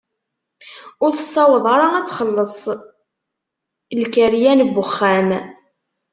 Ur tessaweḍ ara ad txelleṣ lkaryan n uxxam.